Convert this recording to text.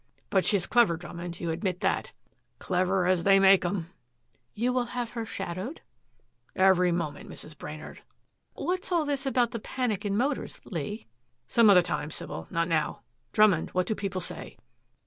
"But she is clever, Drummond. You admit that." "Clever as they make 'em." "You will have her shadowed?" "Every moment, Mrs. Brainard." "What's all this about the panic in Motors, Lee?" "Some other time, Sybil, not now. Drummond, what do people say?"